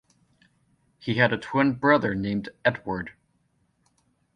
He had a twin brother named Edward.